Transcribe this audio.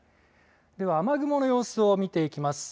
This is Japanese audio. では雨雲の様子を見ていきます。